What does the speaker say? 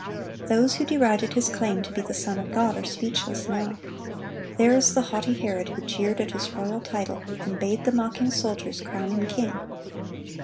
Those who derided His claim to be the Son of God are speechless now. There is the haughty Herod who jeered at His royal title, and bade the mocking soldiers crown Him king.